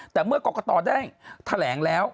แต่เมื่อกรกตได้แถลงแล้ว